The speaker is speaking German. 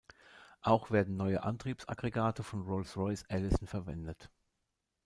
Auch werden neue Antriebsaggregate von Rolls-Royce Allison verwendet.